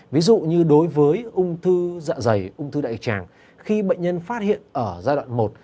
ví dụ như đối với ung thư dạ dày ung thư đại tràng khi bệnh nhân phát hiện ở giai đoạn một